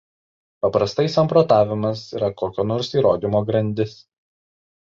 Paprastai samprotavimas yra kokio nors įrodymo grandis.